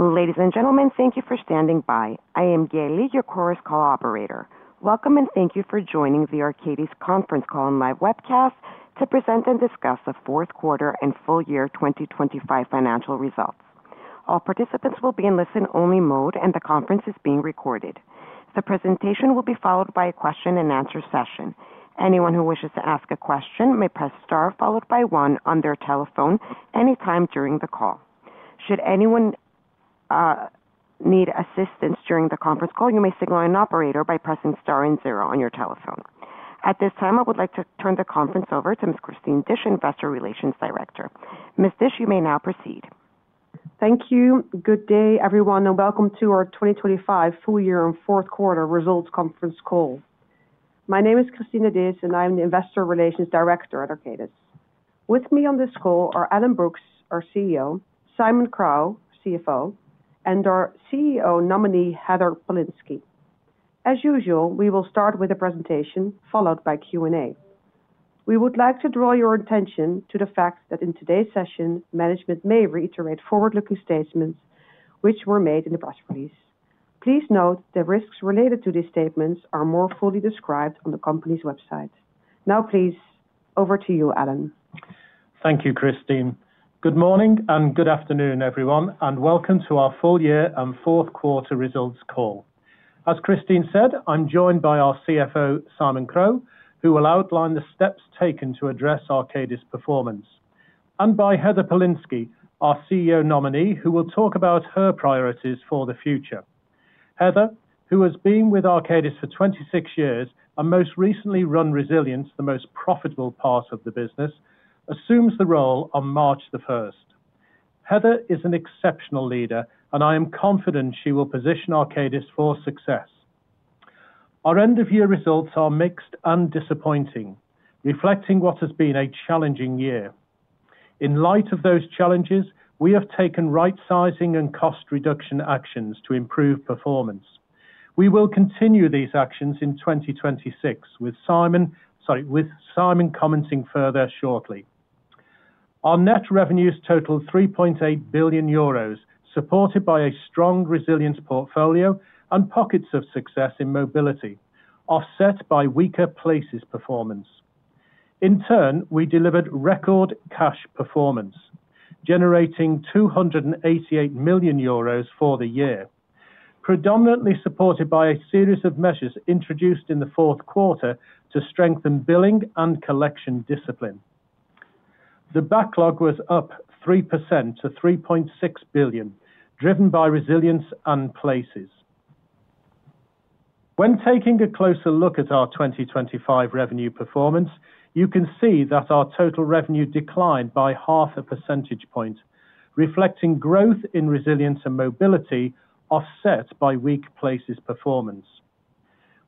Ladies and gentlemen, thank you for standing by. I am Geli, your chorus call operator. Welcome, and thank you for joining the Arcadis conference call and live webcast to present and discuss the fourth quarter and full year 2025 financial results. All participants will be in listen-only mode, and the conference is being recorded. The presentation will be followed by a question-and-answer session. Anyone who wishes to ask a question may press star, followed by one on their telephone anytime during the call. Should anyone need assistance during the conference call, you may signal an operator by pressing star and zero on your telephone. At this time, I would like to turn the conference over to Ms. Christine Disch, Investor Relations Director. Ms. Disch, you may now proceed. Thank you. Good day, everyone, and welcome to our 2025 full year and fourth quarter results conference call. My name is Christine Disch, and I'm the Investor Relations Director at Arcadis. With me on this call are Alan Brookes, our CEO, Simon Crowe, CFO, and our CEO nominee, Heather Polinsky. As usual, we will start with a presentation, followed by Q&A. We would like to draw your attention to the fact that in today's session, management may reiterate forward-looking statements which were made in the press release. Please note the risks related to these statements are more fully described on the company's website. Now, please, over to you, Alan. Thank you, Christine. Good morning and good afternoon, everyone, and welcome to our full year and fourth quarter results call. As Christine said, I'm joined by our CFO, Simon Crowe, who will outline the steps taken to address Arcadis performance, and by Heather Polinsky, our CEO nominee, who will talk about her priorities for the future. Heather, who has been with Arcadis for 26 years and most recently run Resilience, the most profitable part of the business, assumes the role on March 1st. Heather is an exceptional leader, and I am confident she will position Arcadis for success. Our end-of-year results are mixed and disappointing, reflecting what has been a challenging year. In light of those challenges, we have taken right-sizing and cost reduction actions to improve performance. We will continue these actions in 2026 with Simon - sorry, with Simon commenting further shortly. Our net revenues totaled 3.8 billion euros, supported by a strong Resilience portfolio and pockets of success in Mobility, offset by weaker Places performance. In turn, we delivered record cash performance, generating 288 million euros for the year, predominantly supported by a series of measures introduced in the fourth quarter to strengthen billing and collection discipline. The backlog was up 3% to 3.6 billion, driven by Resilience and Places. When taking a closer look at our 2025 revenue performance, you can see that our total revenue declined by 0.5 percentage points, reflecting growth in Resilience and Mobility, offset by weak Places performance.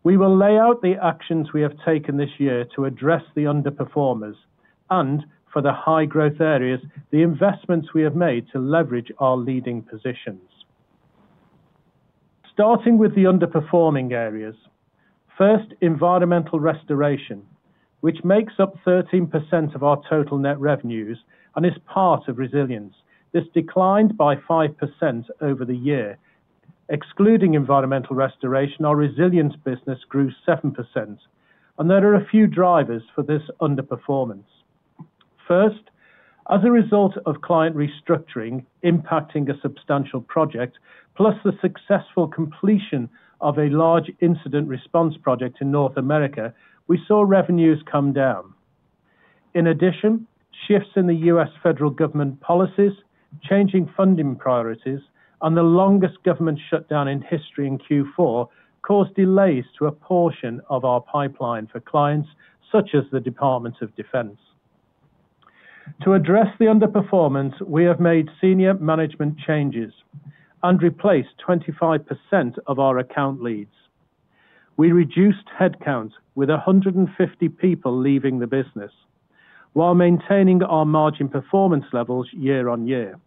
We will lay out the actions we have taken this year to address the underperformers and for the high-growth areas, the investments we have made to leverage our leading positions. Starting with the underperforming areas, first, Environmental Restoration, which makes up 13% of our total net revenues and is part of Resilience. This declined by 5% over the year. Excluding Environmental Restoration, our Resilience business grew 7%, and there are a few drivers for this underperformance. First, as a result of client restructuring impacting a substantial project, plus the successful completion of a large incident response project in North America, we saw revenues come down. In addition, shifts in the U.S. federal government policies, changing funding priorities, and the longest government shutdown in history in Q4 caused delays to a portion of our pipeline for clients such as the Department of Defense. To address the underperformance, we have made senior management changes and replaced 25% of our account leads. We reduced headcount with 150 people leaving the business while maintaining our margin performance levels year-over-year.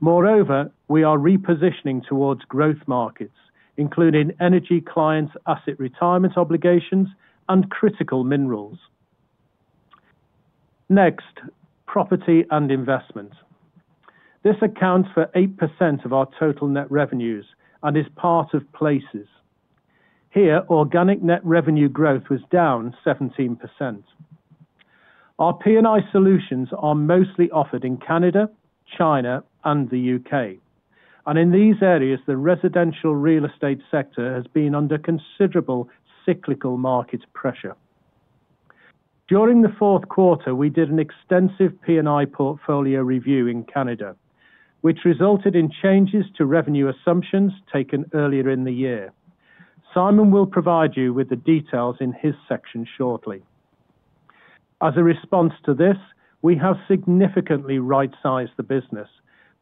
Moreover, we are repositioning towards growth markets, including energy clients, asset retirement obligations, and critical minerals. Next, Property and Investment. This accounts for 8% of our total net revenues and is part of Places. Here, organic net revenue growth was down 17%. Our P&I solutions are mostly offered in Canada, China, and the U.K., and in these areas, the residential real estate sector has been under considerable cyclical market pressure. During the fourth quarter, we did an extensive P&I portfolio review in Canada, which resulted in changes to revenue assumptions taken earlier in the year. Simon will provide you with the details in his section shortly. As a response to this, we have significantly right-sized the business,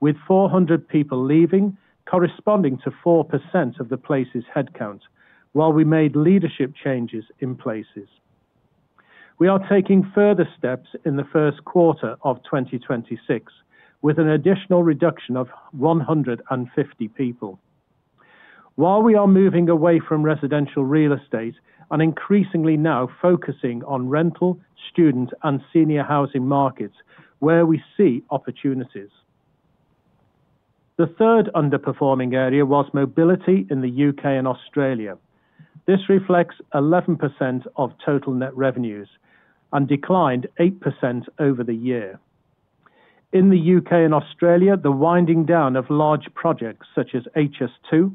with 400 people leaving, corresponding to 4% of the Places headcount, while we made leadership changes in Places. We are taking further steps in the first quarter of 2026, with an additional reduction of 150 people.... while we are moving away from residential real estate and increasingly now focusing on rental, student, and senior housing markets where we see opportunities. The third underperforming area was mobility in the UK and Australia. This reflects 11% of total net revenues and declined 8% over the year. In the UK and Australia, the winding down of large projects such as HS2,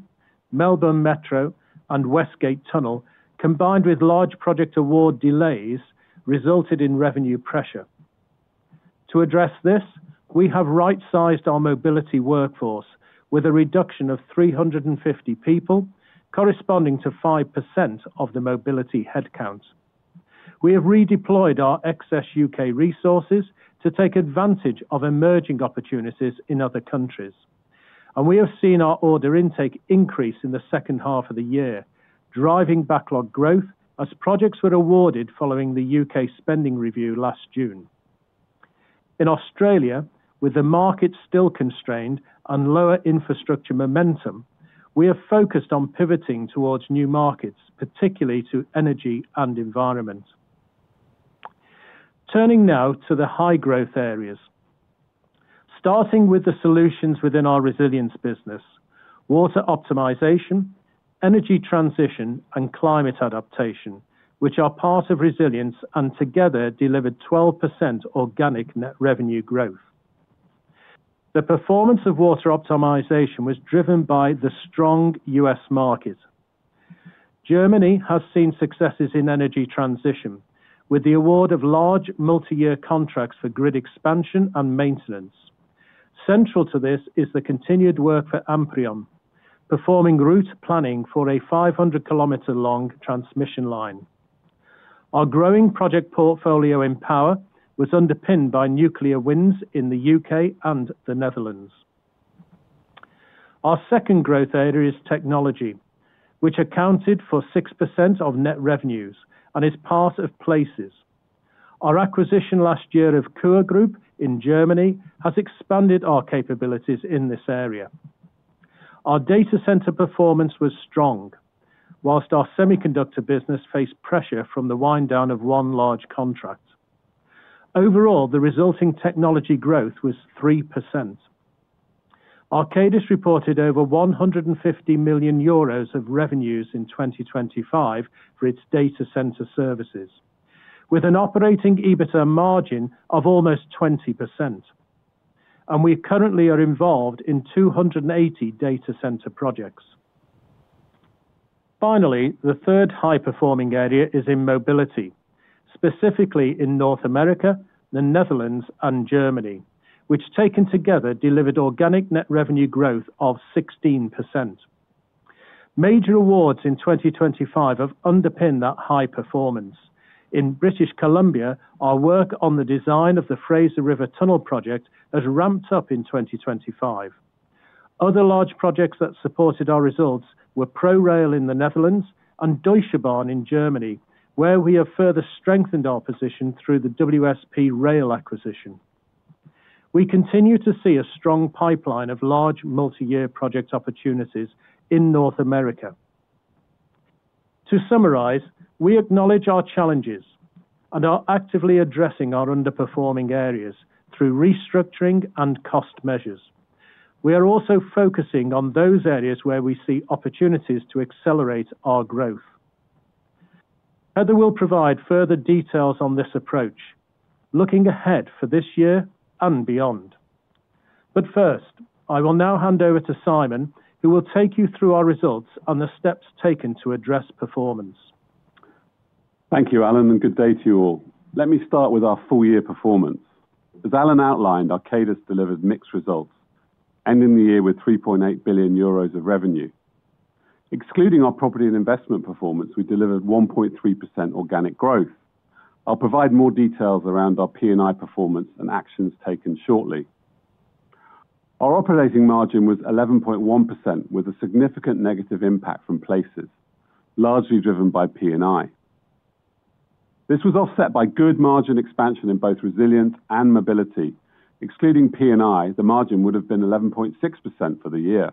Melbourne Metro, and Westgate Tunnel, combined with large project award delays, resulted in revenue pressure. To address this, we have right-sized our mobility workforce with a reduction of 350 people, corresponding to 5% of the mobility headcount. We have redeployed our excess U.K. resources to take advantage of emerging opportunities in other countries, and we have seen our order intake increase in the second half of the year, driving backlog growth as projects were awarded following the U.K. spending review last June. In Australia, with the market still constrained and lower infrastructure momentum, we are focused on pivoting towards new markets, particularly to energy and environment. Turning now to the high-growth areas. Starting with the solutions within our resilience business, water optimization, energy transition, and climate adaptation, which are part of resilience and together delivered 12% organic net revenue growth. The performance of water optimization was driven by the strong U.S. market. Germany has seen successes in energy transition, with the award of large multi-year contracts for grid expansion and maintenance. Central to this is the continued work for Amprion, performing route planning for a 500-kilometer-long transmission line. Our growing project portfolio in power was underpinned by nuclear wins in the UK and the Netherlands. Our second growth area is technology, which accounted for 6% of net revenues and is part of Places. Our acquisition last year of KUE Group in Germany has expanded our capabilities in this area. Our data center performance was strong, while our semiconductor business faced pressure from the wind down of one large contract. Overall, the resulting technology growth was 3%. Arcadis reported over 150 million euros of revenues in 2025 for its data center services, with an operating EBITDA margin of almost 20%, and we currently are involved in 280 data center projects. Finally, the third high-performing area is in mobility, specifically in North America, the Netherlands, and Germany, which, taken together, delivered organic net revenue growth of 16%. Major awards in 2025 have underpinned that high performance. In British Columbia, our work on the design of the Fraser River Tunnel project has ramped up in 2025. Other large projects that supported our results were ProRail in the Netherlands and Deutsche Bahn in Germany, where we have further strengthened our position through the WSP Rail acquisition. We continue to see a strong pipeline of large multi-year project opportunities in North America. To summarize, we acknowledge our challenges and are actively addressing our underperforming areas through restructuring and cost measures. We are also focusing on those areas where we see opportunities to accelerate our growth. Heather will provide further details on this approach, looking ahead for this year and beyond. But first, I will now hand over to Simon, who will take you through our results and the steps taken to address performance. Thank you, Alan, and good day to you all. Let me start with our full year performance. As Alan outlined, Arcadis delivered mixed results, ending the year with 3.8 billion euros of revenue. Excluding our property and investment performance, we delivered 1.3% organic growth. I'll provide more details around our P&I performance and actions taken shortly. Our operating margin was 11.1%, with a significant negative impact from places largely driven by P&I. This was offset by good margin expansion in both resilience and mobility. Excluding P&I, the margin would have been 11.6% for the year.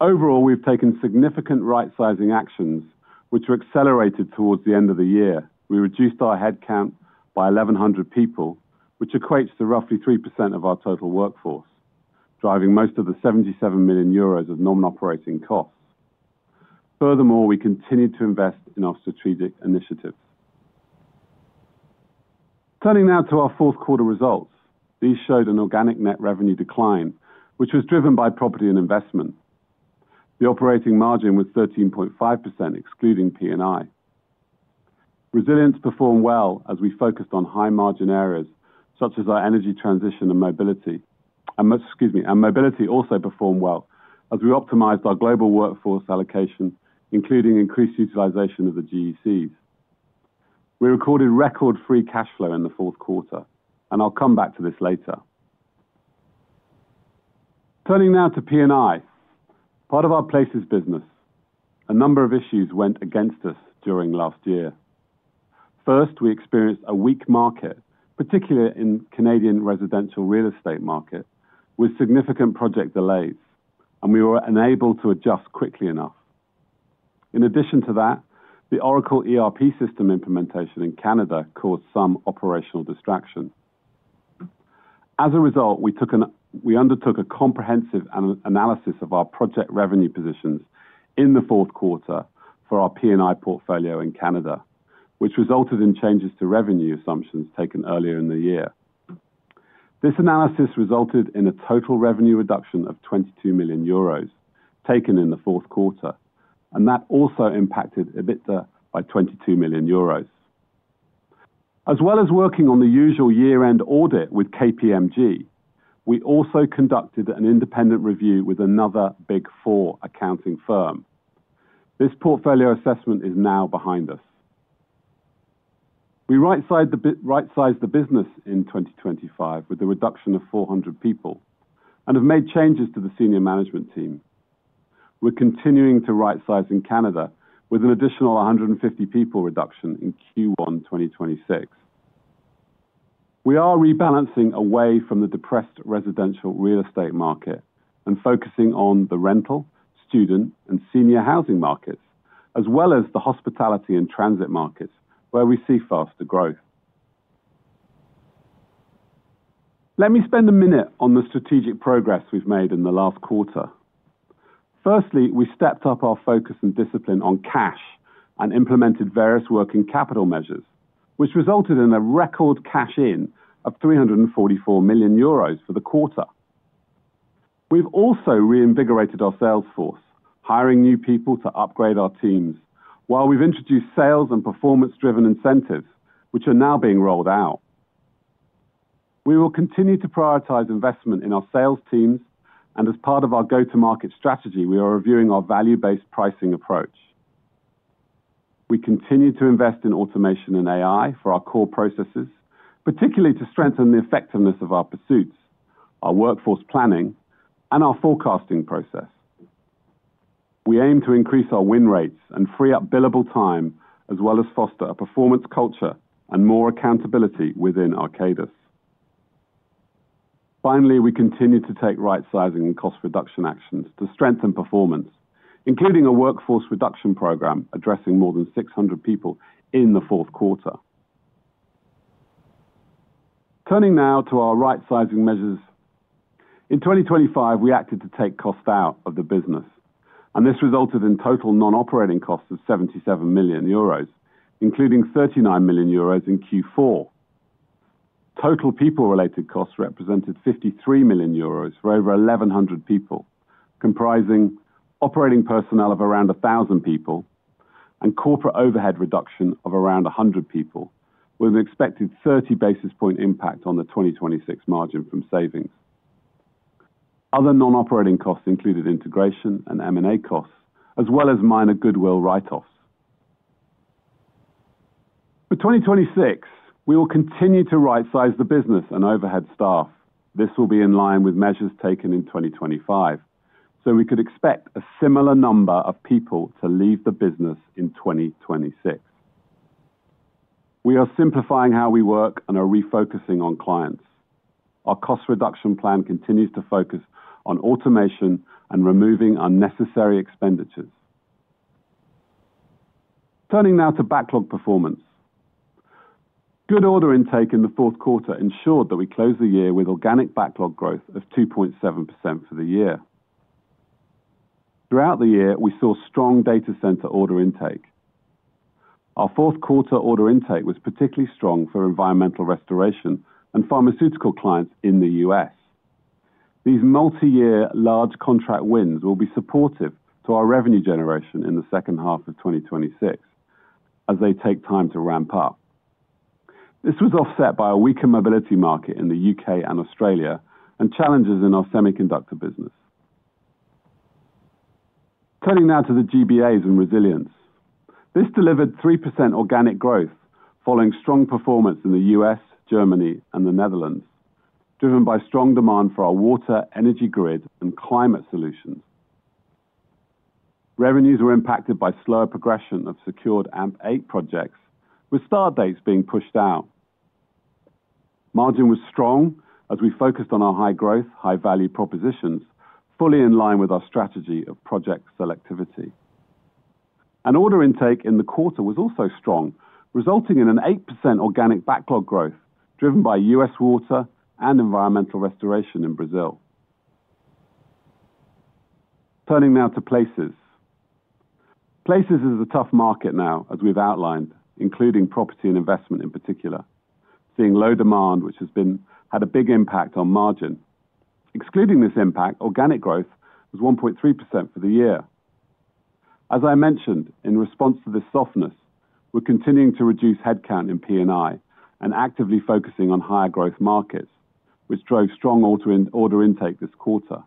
Overall, we've taken significant right-sizing actions, which were accelerated towards the end of the year. We reduced our headcount by 1,100 people, which equates to roughly 3% of our total workforce, driving most of the 77 million euros of non-operating costs. Furthermore, we continued to invest in our strategic initiatives. Turning now to our fourth quarter results. These showed an organic net revenue decline, which was driven by property and investment. The operating margin was 13.5%, excluding P&I. Resilience performed well as we focused on high-margin areas such as our energy transition and mobility. Mobility also performed well as we optimized our global workforce allocation, including increased utilization of the GECs. We recorded record free cash flow in the fourth quarter, and I'll come back to this later. Turning now to P&I, part of our places business. A number of issues went against us during last year. First, we experienced a weak market, particularly in Canadian residential real estate market, with significant project delays, and we were unable to adjust quickly enough. In addition to that, the Oracle ERP system implementation in Canada caused some operational distraction. As a result, we undertook a comprehensive analysis of our project revenue positions in the fourth quarter for our P&I portfolio in Canada, which resulted in changes to revenue assumptions taken earlier in the year. This analysis resulted in a total revenue reduction of 22 million euros taken in the fourth quarter, and that also impacted EBITDA by 22 million euros. As well as working on the usual year-end audit with KPMG, we also conducted an independent review with another Big Four accounting firm. This portfolio assessment is now behind us. We rightsized the business in 2025 with a reduction of 400 people and have made changes to the senior management team. We're continuing to rightsize in Canada with an additional 150 people reduction in Q1 2026. We are rebalancing away from the depressed residential real estate market and focusing on the rental, student, and senior housing markets, as well as the hospitality and transit markets, where we see faster growth. Let me spend a minute on the strategic progress we've made in the last quarter. Firstly, we stepped up our focus and discipline on cash and implemented various working capital measures, which resulted in a record cash-in of 344 million euros for the quarter. We've also reinvigorated our sales force, hiring new people to upgrade our teams, while we've introduced sales and performance-driven incentives, which are now being rolled out. We will continue to prioritize investment in our sales teams, and as part of our go-to-market strategy, we are reviewing our value-based pricing approach. We continue to invest in automation and AI for our core processes, particularly to strengthen the effectiveness of our pursuits, our workforce planning, and our forecasting process. We aim to increase our win rates and free up billable time, as well as foster a performance culture and more accountability within Arcadis. Finally, we continue to take right sizing and cost reduction actions to strengthen performance, including a workforce reduction program, addressing more than 600 people in the fourth quarter. Turning now to our right sizing measures. In 2025, we acted to take cost out of the business, and this resulted in total non-operating costs of 77 million euros, including 39 million euros in Q4. Total people-related costs represented 53 million euros for over 1,100 people, comprising operating personnel of around 1,000 people and corporate overhead reduction of around 100 people, with an expected 30 basis point impact on the 2026 margin from savings. Other non-operating costs included integration and M&A costs, as well as minor goodwill write-offs. For 2026, we will continue to rightsize the business and overhead staff. This will be in line with measures taken in 2025, so we could expect a similar number of people to leave the business in 2026. We are simplifying how we work and are refocusing on clients. Our cost reduction plan continues to focus on automation and removing unnecessary expenditures. Turning now to backlog performance. Good order intake in the fourth quarter ensured that we closed the year with organic backlog growth of 2.7% for the year. Throughout the year, we saw strong data center order intake. Our fourth quarter order intake was particularly strong for environmental restoration and pharmaceutical clients in the U.S. These multi-year large contract wins will be supportive to our revenue generation in the second half of 2026 as they take time to ramp up. This was offset by a weaker mobility market in the U.K. and Australia and challenges in our semiconductor business. Turning now to the GBAs and resilience. This delivered 3% organic growth, following strong performance in the U.S., Germany, and the Netherlands, driven by strong demand for our water, energy grid, and climate solutions. Revenues were impacted by slower progression of secured AMP8 projects, with start dates being pushed out. Margin was strong as we focused on our high growth, high value propositions, fully in line with our strategy of project selectivity. Order intake in the quarter was also strong, resulting in an 8% organic backlog growth, driven by U.S. water and environmental restoration in Brazil. Turning now to Places. Places is a tough market now, as we've outlined, including property and investment in particular, seeing low demand, which has had a big impact on margin. Excluding this impact, organic growth was 1.3% for the year. As I mentioned, in response to this softness, we're continuing to reduce headcount in P&I and actively focusing on higher growth markets, which drove strong order intake this quarter.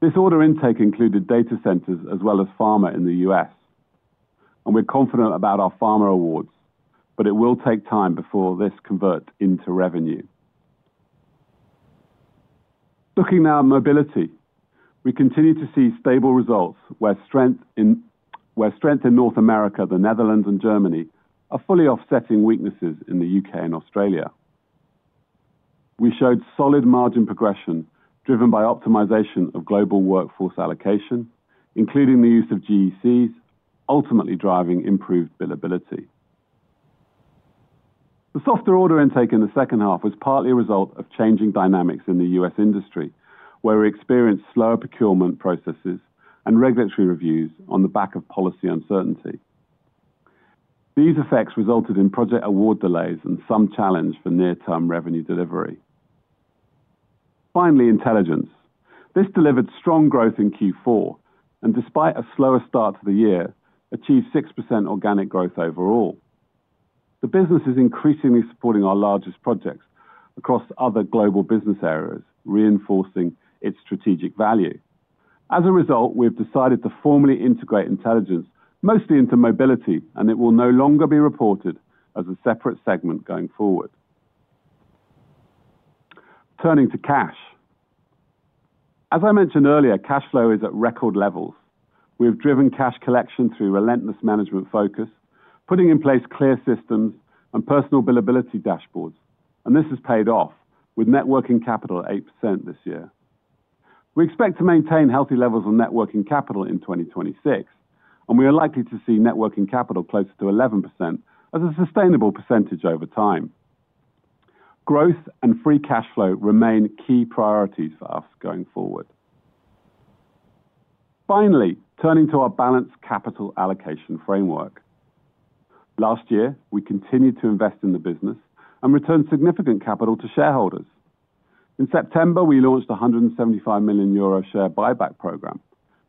This order intake included data centers as well as pharma in the U.S., and we're confident about our pharma awards, but it will take time before this converts into revenue... Looking now at mobility, we continue to see stable results where strength in North America, the Netherlands, and Germany are fully offsetting weaknesses in the U.K. and Australia. We showed solid margin progression driven by optimization of global workforce allocation, including the use of GECs, ultimately driving improved billability. The softer order intake in the second half was partly a result of changing dynamics in the U.S. industry, where we experienced slower procurement processes and regulatory reviews on the back of policy uncertainty. These effects resulted in project award delays and some challenge for near-term revenue delivery. Finally, intelligence. This delivered strong growth in Q4, and despite a slower start to the year, achieved 6% organic growth overall. The business is increasingly supporting our largest projects across other global business areas, reinforcing its strategic value. As a result, we have decided to formally integrate Intelligence, mostly into Mobility, and it will no longer be reported as a separate segment going forward. Turning to cash. As I mentioned earlier, cash flow is at record levels. We have driven cash collection through relentless management focus, putting in place clear systems and personal billability dashboards, and this has paid off with net working capital at 8% this year. We expect to maintain healthy levels of net working capital in 2026, and we are likely to see net working capital closer to 11% as a sustainable percentage over time. Growth and free cash flow remain key priorities for us going forward. Finally, turning to our balanced capital allocation framework. Last year, we continued to invest in the business and returned significant capital to shareholders. In September, we launched 175 million euro share buyback program,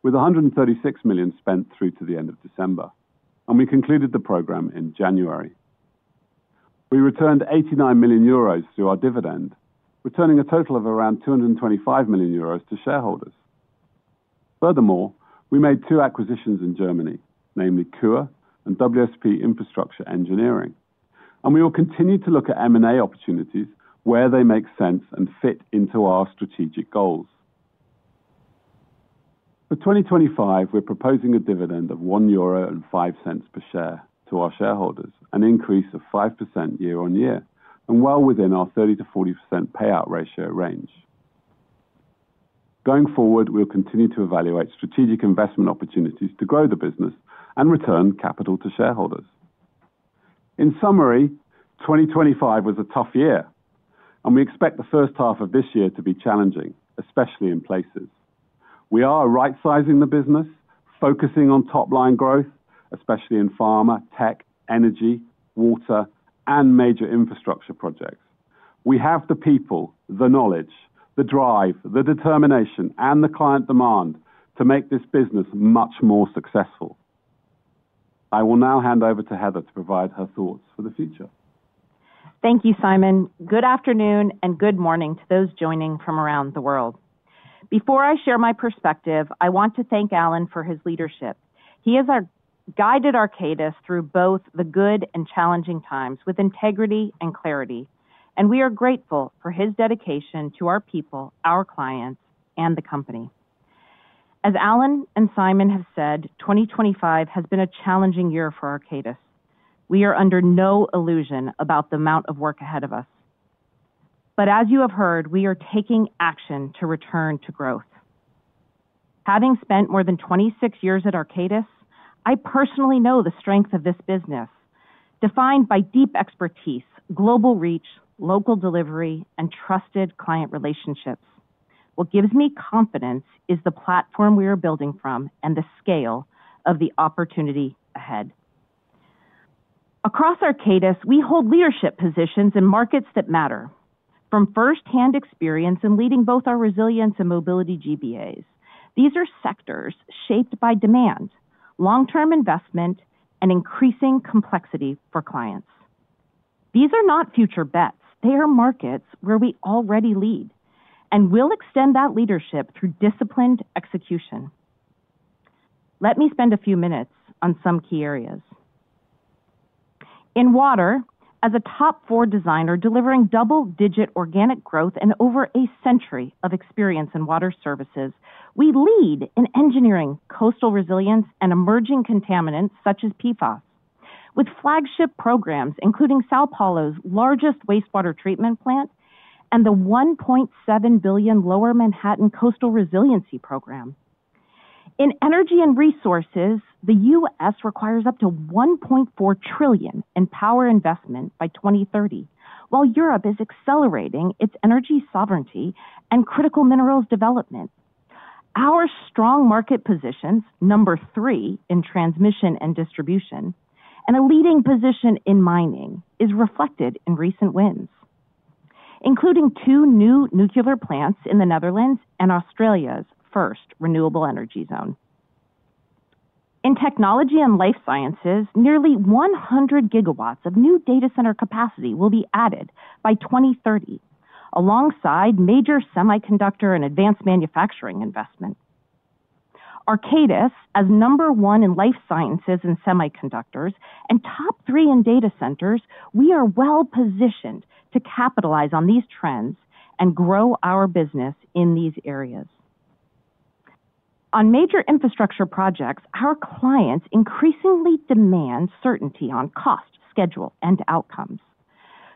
with 136 million spent through to the end of December, and we concluded the program in January. We returned 89 million euros through our dividend, returning a total of around 225 million euros to shareholders. Furthermore, we made 2 acquisitions in Germany, namely CURA and WSP Infrastructure Engineering, and we will continue to look at M&A opportunities where they make sense and fit into our strategic goals. For 2025, we're proposing a dividend of 1.05 euro per share to our shareholders, an increase of 5% year-on-year, and well within our 30%-40% payout ratio range. Going forward, we'll continue to evaluate strategic investment opportunities to grow the business and return capital to shareholders. In summary, 2025 was a tough year, and we expect the first half of this year to be challenging, especially in places. We are right-sizing the business, focusing on top-line growth, especially in pharma, tech, energy, water, and major infrastructure projects. We have the people, the knowledge, the drive, the determination, and the client demand to make this business much more successful. I will now hand over to Heather to provide her thoughts for the future. Thank you, Simon. Good afternoon, and good morning to those joining from around the world. Before I share my perspective, I want to thank Alan for his leadership. He has guided Arcadis through both the good and challenging times with integrity and clarity, and we are grateful for his dedication to our people, our clients, and the company. As Alan and Simon have said, 2025 has been a challenging year for Arcadis. We are under no illusion about the amount of work ahead of us. As you have heard, we are taking action to return to growth. Having spent more than 26 years at Arcadis, I personally know the strength of this business, defined by deep expertise, global reach, local delivery, and trusted client relationships. What gives me confidence is the platform we are building from and the scale of the opportunity ahead. Across Arcadis, we hold leadership positions in markets that matter. From firsthand experience in leading both our resilience and mobility GBAs, these are sectors shaped by demand, long-term investment, and increasing complexity for clients. These are not future bets. They are markets where we already lead, and we'll extend that leadership through disciplined execution. Let me spend a few minutes on some key areas. In water, as a top four designer delivering double-digit organic growth and over a century of experience in water services, we lead in engineering coastal resilience and emerging contaminants such as PFAS, with flagship programs including São Paulo's largest wastewater treatment plant and the $1.7 billion Lower Manhattan Coastal Resiliency Program. In energy and resources, the US requires up to $1.4 trillion in power investment by 2030, while Europe is accelerating its energy sovereignty and critical minerals development. Our strong market positions, number 3 in transmission and distribution, and a leading position in mining, is reflected in recent wins, including two new nuclear plants in the Netherlands and Australia's first renewable energy zone. In technology and life sciences, nearly 100 gigawatts of new data center capacity will be added by 2030, alongside major semiconductor and advanced manufacturing investment.... Arcadis, as number 1 in life sciences and semiconductors and top 3 in data centers, we are well-positioned to capitalize on these trends and grow our business in these areas. On major infrastructure projects, our clients increasingly demand certainty on cost, schedule, and outcomes.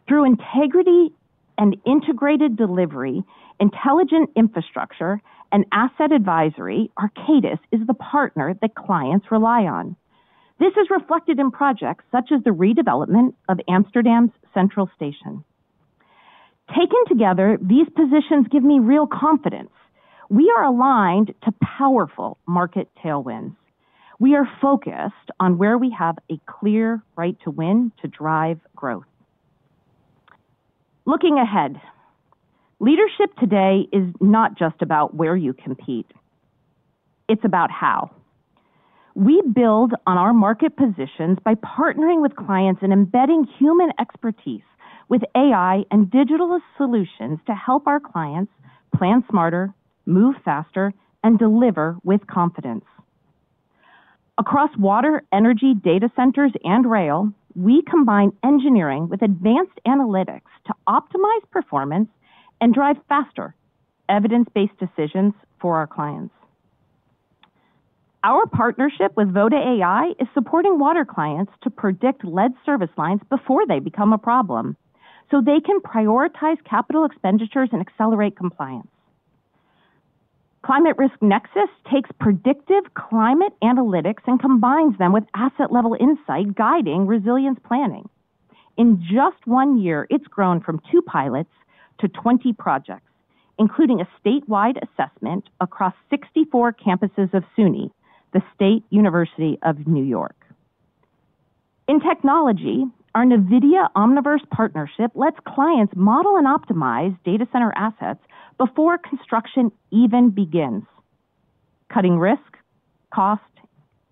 Through integrity and integrated delivery, intelligent infrastructure, and asset advisory, Arcadis is the partner that clients rely on. This is reflected in projects such as the redevelopment of Amsterdam's Central Station. Taken together, these positions give me real confidence. We are aligned to powerful market tailwinds. We are focused on where we have a clear right to win to drive growth. Looking ahead, leadership today is not just about where you compete, it's about how. We build on our market positions by partnering with clients and embedding human expertise with AI and digital solutions to help our clients plan smarter, move faster, and deliver with confidence. Across water, energy, data centers, and rail, we combine engineering with advanced analytics to optimize performance and drive faster evidence-based decisions for our clients. Our partnership with Voda AI is supporting water clients to predict lead service lines before they become a problem, so they can prioritize capital expenditures and accelerate compliance. Climate Risk Nexus takes predictive climate analytics and combines them with asset-level insight, guiding resilience planning. In just one year, it's grown from two pilots to 20 projects, including a statewide assessment across 64 campuses of SUNY, the State University of New York. In technology, our NVIDIA Omniverse partnership lets clients model and optimize data center assets before construction even begins, cutting risk, cost,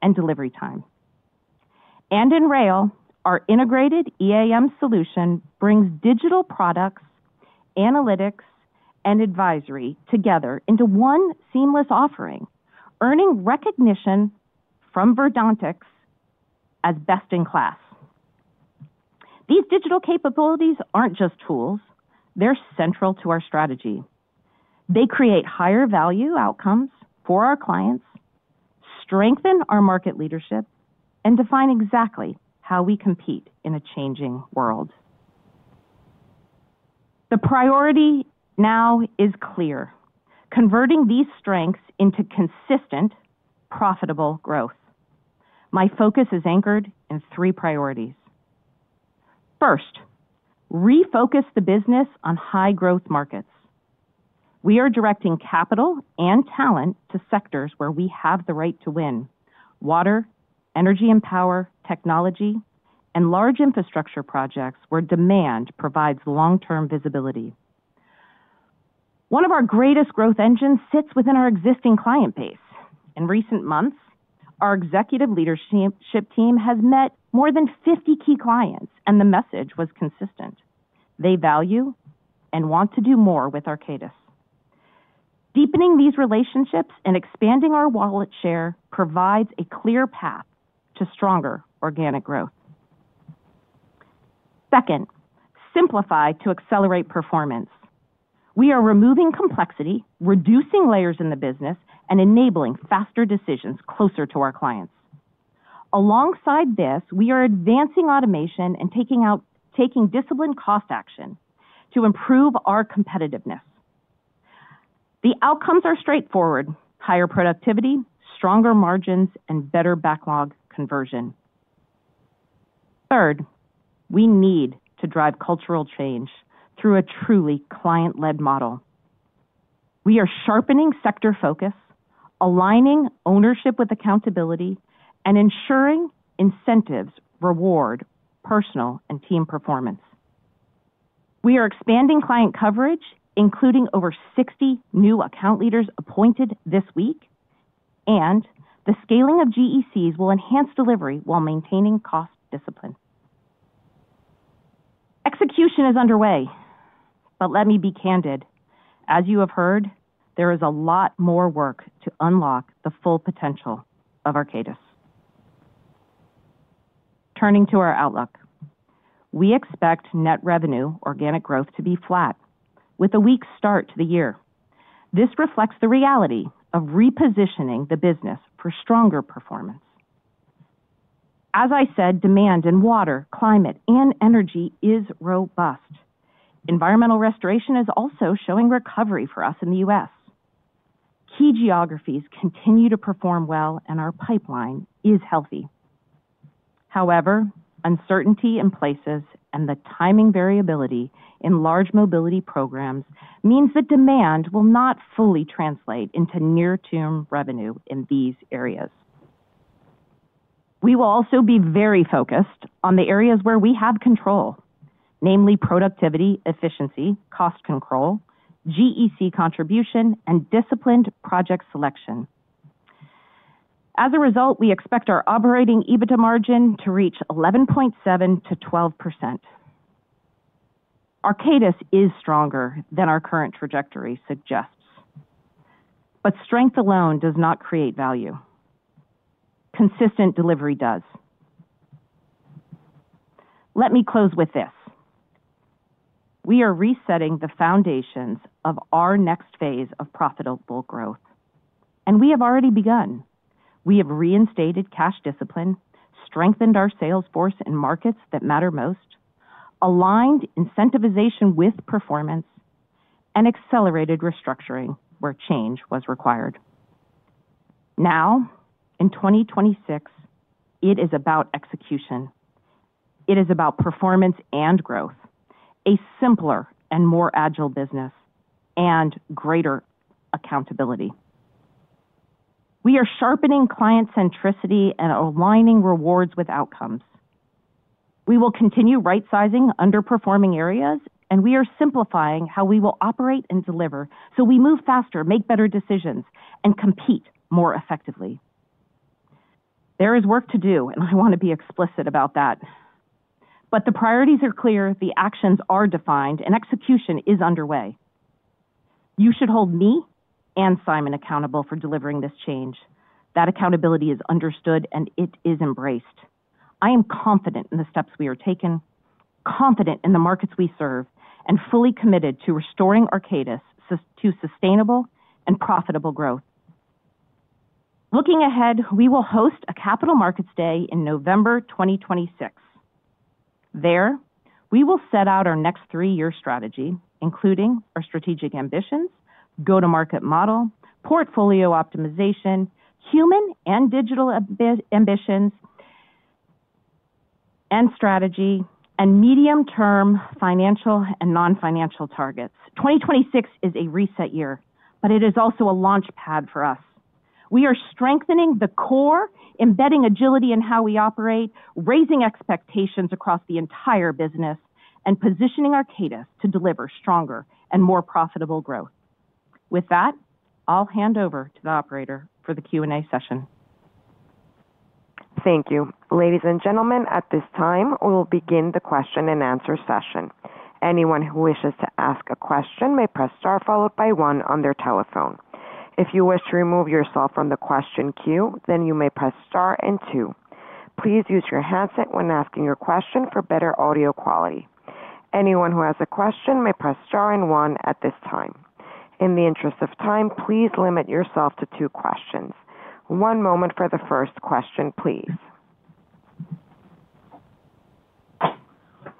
and delivery time. And in rail, our integrated EAM solution brings digital products, analytics, and advisory together into one seamless offering, earning recognition from Verdantix as best in class. These digital capabilities aren't just tools, they're central to our strategy. They create higher value outcomes for our clients, strengthen our market leadership, and define exactly how we compete in a changing world. The priority now is clear: converting these strengths into consistent, profitable growth. My focus is anchored in three priorities. First, refocus the business on high-growth markets. We are directing capital and talent to sectors where we have the right to win: water, energy and power, technology, and large infrastructure projects where demand provides long-term visibility. One of our greatest growth engines sits within our existing client base. In recent months, our executive leadership team has met more than 50 key clients, and the message was consistent. They value and want to do more with Arcadis. Deepening these relationships and expanding our wallet share provides a clear path to stronger organic growth. Second, simplify to accelerate performance. We are removing complexity, reducing layers in the business, and enabling faster decisions closer to our clients. Alongside this, we are advancing automation and taking disciplined cost action to improve our competitiveness. The outcomes are straightforward: higher productivity, stronger margins, and better backlog conversion. Third, we need to drive cultural change through a truly client-led model. We are sharpening sector focus, aligning ownership with accountability, and ensuring incentives reward personal and team performance. We are expanding client coverage, including over 60 new account leaders appointed this week, and the scaling of GECs will enhance delivery while maintaining cost discipline. Execution is underway, but let me be candid. As you have heard, there is a lot more work to unlock the full potential of Arcadis. Turning to our outlook, we expect net revenue organic growth to be flat with a weak start to the year. This reflects the reality of repositioning the business for stronger performance. As I said, demand in water, climate, and energy is robust. Environmental restoration is also showing recovery for us in the U.S. Key geographies continue to perform well, and our pipeline is healthy. However, uncertainty in places and the timing variability in large mobility programs means that demand will not fully translate into near-term revenue in these areas. We will also be very focused on the areas where we have control, namely productivity, efficiency, cost control, GEC contribution, and disciplined project selection. As a result, we expect our operating EBITDA margin to reach 11.7%-12%. Arcadis is stronger than our current trajectory suggests, but strength alone does not create value. Consistent delivery does. Let me close with this: We are resetting the foundations of our next phase of profitable growth, and we have already begun. We have reinstated cash discipline, strengthened our sales force in markets that matter most, aligned incentivization with performance, and accelerated restructuring where change was required. Now, in 2026, it is about execution. It is about performance and growth, a simpler and more agile business, and greater accountability. We are sharpening client centricity and aligning rewards with outcomes. We will continue rightsizing underperforming areas, and we are simplifying how we will operate and deliver so we move faster, make better decisions, and compete more effectively. There is work to do, and I want to be explicit about that. But the priorities are clear, the actions are defined, and execution is underway. You should hold me and Simon accountable for delivering this change. That accountability is understood, and it is embraced. I am confident in the steps we are taking, confident in the markets we serve, and fully committed to restoring Arcadis to sustainable and profitable growth. Looking ahead, we will host a Capital Markets Day in November 2026. There, we will set out our next three-year strategy, including our strategic ambitions, go-to-market model, portfolio optimization, human and digital ambitions and strategy, and medium-term financial and non-financial targets. 2026 is a reset year, but it is also a launchpad for us. We are strengthening the core, embedding agility in how we operate, raising expectations across the entire business, and positioning Arcadis to deliver stronger and more profitable growth. With that, I'll hand over to the operator for the Q&A session. Thank you. Ladies and gentlemen, at this time, we'll begin the question and answer session. Anyone who wishes to ask a question may press star followed by one on their telephone. If you wish to remove yourself from the question queue, then you may press star and two. Please use your handset when asking your question for better audio quality. Anyone who has a question may press star and one at this time. In the interest of time, please limit yourself to two questions. One moment for the first question, please.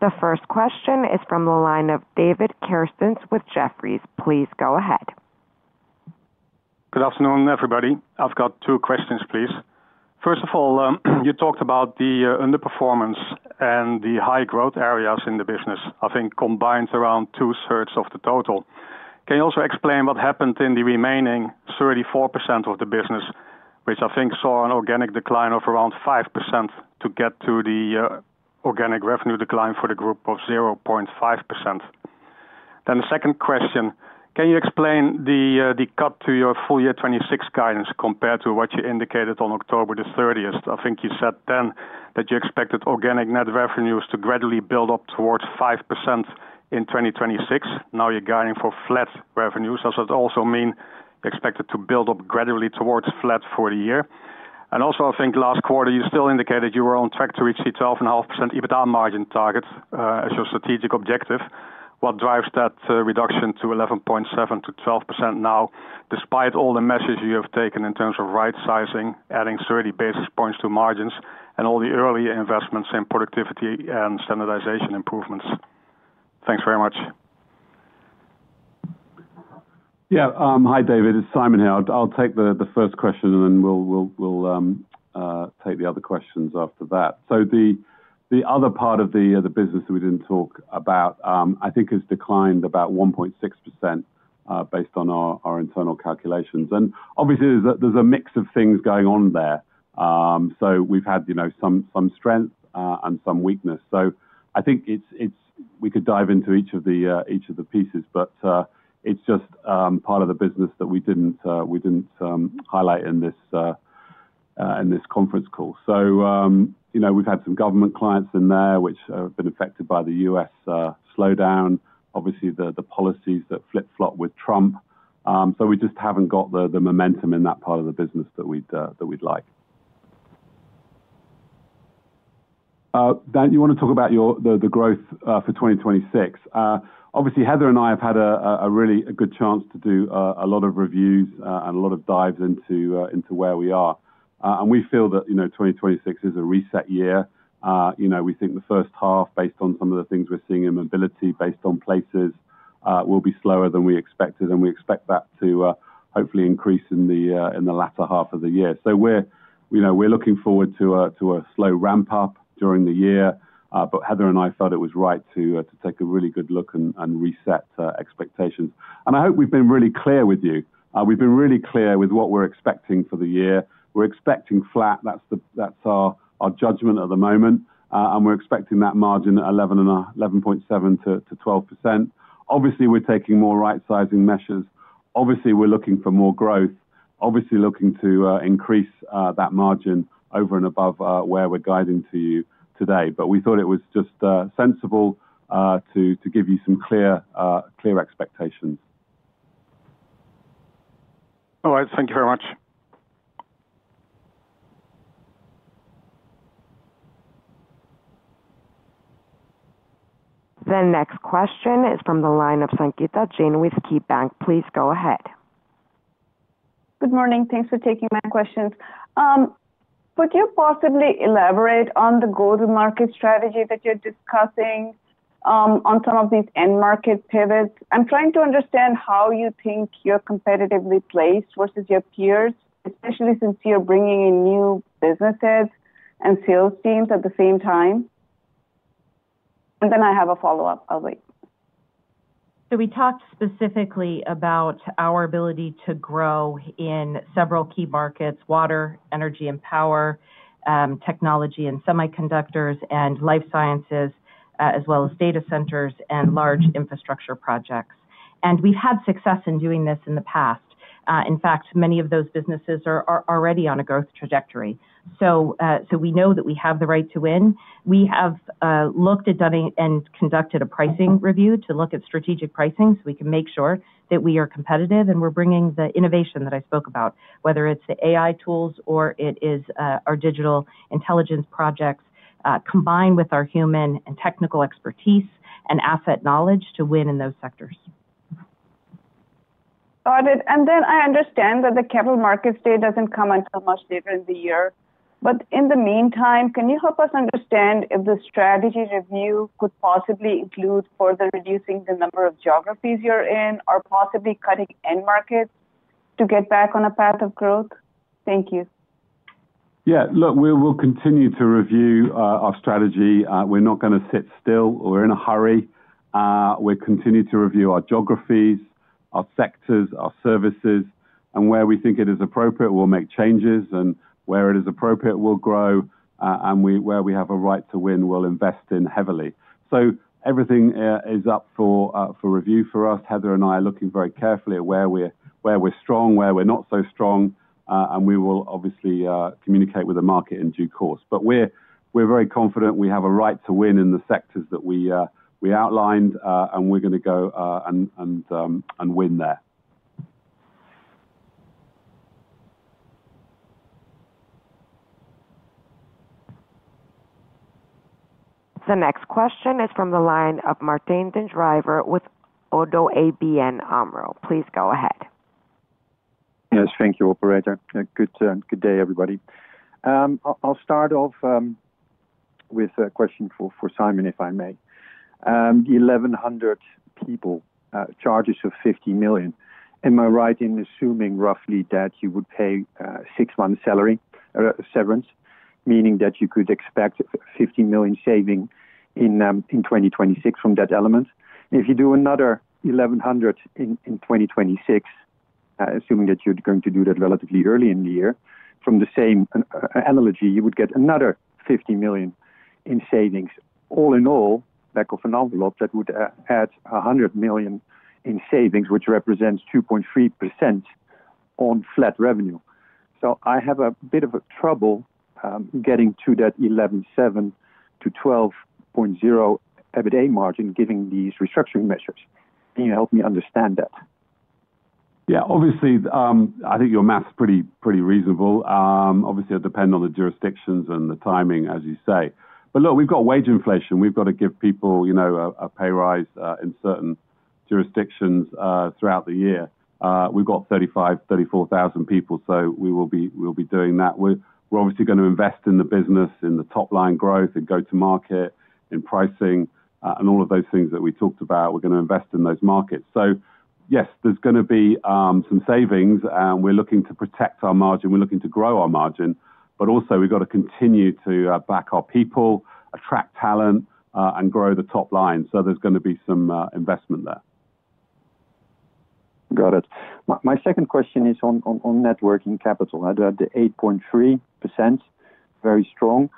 The first question is from the line of David Kerstens with Jefferies. Please go ahead. Good afternoon, everybody. I've got two questions, please. First of all, you talked about the underperformance and the high growth areas in the business, I think combined around two-thirds of the total. Can you also explain what happened in the remaining 34% of the business, which I think saw an organic decline of around 5% to get to the organic revenue decline for the group of 0.5%? Then the second question, can you explain the cut to your full year 2026 guidance compared to what you indicated on October the 30th? I think you said then that you expected organic net revenues to gradually build up towards 5% in 2026. Now you're guiding for flat revenues. Does that also mean expected to build up gradually towards flat for the year? And also, I think last quarter, you still indicated you were on track to reach 12.5% EBITDA margin targets, as your strategic objective. What drives that reduction to 11.7%-12% now, despite all the measures you have taken in terms of rightsizing, adding 30 basis points to margins and all the early investments in productivity and standardization improvements? Thanks very much. Yeah. Hi, David, it's Simon here. I'll take the first question, and then we'll take the other questions after that. So the other part of the business that we didn't talk about, I think has declined about 1.6%, based on our internal calculations. And obviously, there's a mix of things going on there. So we've had, you know, some strength and some weakness. So I think it's-- we could dive into each of the pieces, but it's just part of the business that we didn't highlight in this conference call. So, you know, we've had some government clients in there which have been affected by the U.S. slowdown, obviously, the policies that flip-flop with Trump. So we just haven't got the momentum in that part of the business that we'd like. Dan, you want to talk about the growth for 2026? Obviously, Heather and I have had a really good chance to do a lot of reviews and a lot of dives into where we are. And we feel that, you know, 2026 is a reset year. You know, we think the first half, based on some of the things we're seeing in Mobility, based on Places, will be slower than we expected, and we expect that to hopefully increase in the latter half of the year. So we're, you know, we're looking forward to a slow ramp-up during the year, but Heather and I felt it was right to take a really good look and reset expectations. I hope we've been really clear with you. We've been really clear with what we're expecting for the year. We're expecting flat. That's the - that's our judgment at the moment. And we're expecting that margin at 11 and a, 11.7%-12%. Obviously, we're taking more right-sizing measures. Obviously, we're looking for more growth, obviously looking to increase that margin over and above where we're guiding to you today. But we thought it was just sensible to give you some clear, clear expectations. All right. Thank you very much. The next question is from the line of Sangita Jain with KeyBank. Please go ahead. Good morning. Thanks for taking my questions. Would you possibly elaborate on the go-to-market strategy that you're discussing, on some of these end market pivots? I'm trying to understand how you think you're competitively placed versus your peers, especially since you're bringing in new businesses and sales teams at the same time. And then I have a follow-up. I'll wait. So we talked specifically about our ability to grow in several key markets: water, energy and power, technology and semiconductors, and life sciences, as well as data centers and large infrastructure projects. And we've had success in doing this in the past. In fact, many of those businesses are already on a growth trajectory. So, so we know that we have the right to win. We have looked at done and conducted a pricing review to look at strategic pricing, so we can make sure that we are competitive, and we're bringing the innovation that I spoke about, whether it's the AI tools or it is our digital intelligence projects, combined with our human and technical expertise and asset knowledge to win in those sectors. Got it. And then I understand that the capital markets day doesn't come until much later in the year. But in the meantime, can you help us understand if the strategy review could possibly include further reducing the number of geographies you're in, or possibly cutting end markets to get back on a path of growth? Thank you. Yeah. Look, we will continue to review our strategy. We're not gonna sit still or in a hurry. We'll continue to review our geographies, our sectors, our services, and where we think it is appropriate, we'll make changes, and where it is appropriate, we'll grow, and where we have a right to win, we'll invest in heavily. So everything is up for review for us. Heather and I are looking very carefully at where we're strong, where we're not so strong, and we will obviously communicate with the market in due course. But we're very confident we have a right to win in the sectors that we outlined, and we're gonna go and win there. The next question is from the line of Martijn den Drijver with Oddo BHF. Please go ahead. Yes, thank you, operator. Good day, everybody. I'll start off with a question for Simon, if I may. 1,100 people, charges of 50 million. Am I right in assuming roughly that you would pay six months salary severance, meaning that you could expect 50 million saving in 2026 from that element? If you do another 1,100 in 2026, assuming that you're going to do that relatively early in the year, from the same analogy, you would get another 50 million in savings. All in all, back of an envelope, that would add 100 million in savings, which represents 2.3% on flat revenue. I have a bit of a trouble getting to that 11.7%-12.0% EBITDA margin, giving these restructuring measures. Can you help me understand that? Yeah. Obviously, I think your math's pretty, pretty reasonable. Obviously, it'll depend on the jurisdictions and the timing, as you say. But look, we've got wage inflation. We've got to give people, you know, a pay rise in certain jurisdictions throughout the year. We've got 35,000-34,000 people, so we will be, we'll be doing that. We're, we're obviously gonna invest in the business, in the top line growth, in go-to-market, in pricing, and all of those things that we talked about. We're gonna invest in those markets. So yes, there's gonna be some savings, and we're looking to protect our margin. We're looking to grow our margin, but also we've got to continue to back our people, attract talent, and grow the top line. So there's gonna be some investment there. Got it. My second question is on Net Working Capital. The 8.3%, very strong.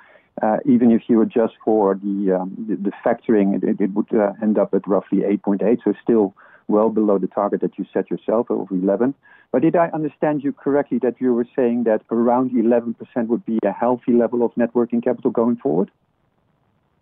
Even if you adjust for the factoring, it would end up at roughly 8.8. So still well below the target that you set yourself of 11. But did I understand you correctly, that you were saying that around 11% would be a healthy level of Net Working Capital going forward?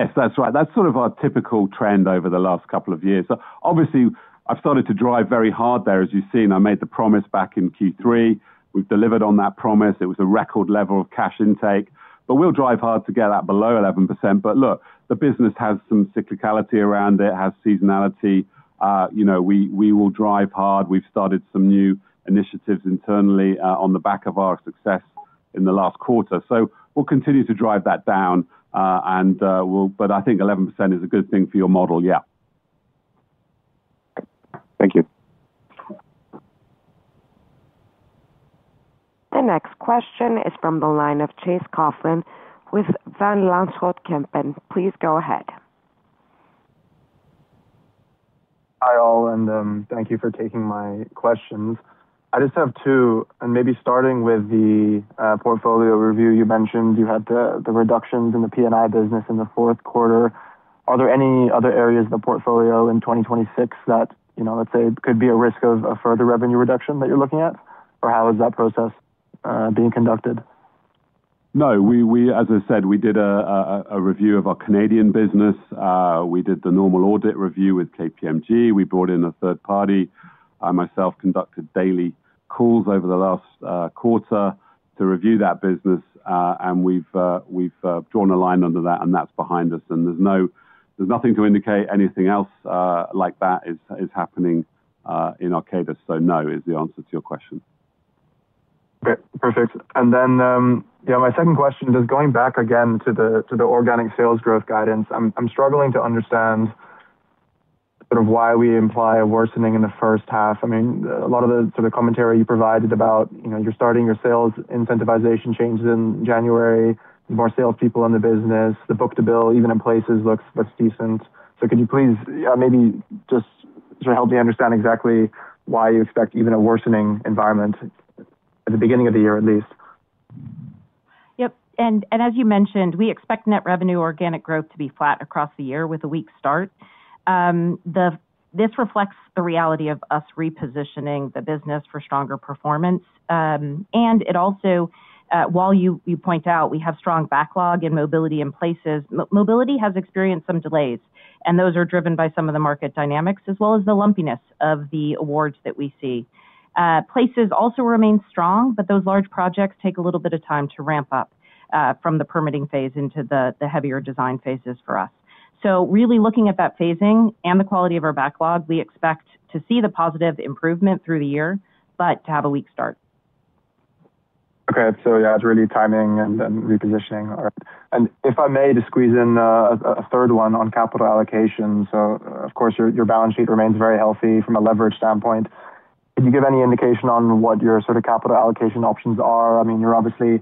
Yes, that's right. That's sort of our typical trend over the last couple of years. So obviously, I've started to drive very hard there, as you've seen. I made the promise back in Q3. We've delivered on that promise. It was a record level of cash intake, but we'll drive hard to get that below 11%. But look, the business has some cyclicality around it, has seasonality. You know, we will drive hard. We've started some new initiatives internally, on the back of our success in the last quarter. So we'll continue to drive that down, and we'll, but I think 11% is a good thing for your model, yeah. Thank you. The next question is from the line of Chase Coughlan with Van Lanschot Kempen. Please go ahead. Hi, all, and, thank you for taking my questions.... I just have two, and maybe starting with the portfolio review. You mentioned you had the reductions in the P&I business in the fourth quarter. Are there any other areas of the portfolio in 2026 that, you know, let's say, could be a risk of a further revenue reduction that you're looking at? Or how is that process being conducted? No, as I said, we did a review of our Canadian business. We did the normal audit review with KPMG. We brought in a third party. I myself conducted daily calls over the last quarter to review that business, and we've drawn a line under that, and that's behind us, and there's no, there's nothing to indicate anything else like that is happening in Arcadis. So no is the answer to your question. Okay, perfect. And then, yeah, my second question is going back again to the organic sales growth guidance. I'm struggling to understand sort of why we imply a worsening in the first half. I mean, a lot of the sort of commentary you provided about, you know, you're starting your sales incentivization changes in January, more salespeople in the business, the book-to-bill, even in places, looks decent. So could you please, maybe just sort of help me understand exactly why you expect even a worsening environment at the beginning of the year, at least? Yep. And as you mentioned, we expect net revenue organic growth to be flat across the year with a weak start. This reflects the reality of us repositioning the business for stronger performance. And it also, while you point out we have strong backlog in mobility and places, mobility has experienced some delays, and those are driven by some of the market dynamics as well as the lumpiness of the awards that we see. Places also remain strong, but those large projects take a little bit of time to ramp up from the permitting phase into the heavier design phases for us. So really looking at that phasing and the quality of our backlog, we expect to see the positive improvement through the year, but to have a weak start. Okay. So yeah, it's really timing and repositioning. And if I may just squeeze in a third one on capital allocation. So of course, your balance sheet remains very healthy from a leverage standpoint. Could you give any indication on what your sort of capital allocation options are? I mean, you're obviously,